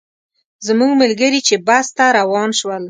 زموږ ملګري چې بس ته روان شول.